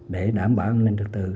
để đảm bảo an ninh trực tự